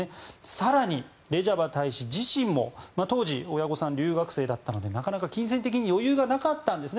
更に、レジャバ大使自身も当時親御さん留学生だったので、なかなか金銭的に余裕がなかったんです。